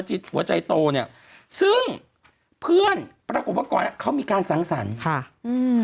หัวใจโตเนี้ยซึ่งเพื่อนปรากฏว่าก่อนเนี้ยเขามีการสังสรรค์ค่ะอืม